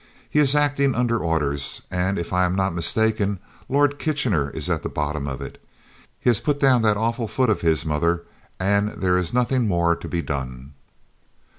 He is acting under orders, and if I am not mistaken Lord Kitchener is at the bottom of it. He has put down that awful foot of his, mother, and there is nothing more to be done."